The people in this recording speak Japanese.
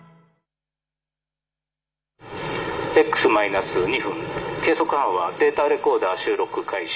エックスマイナス２分、計測班はデータレコーダー収録開始。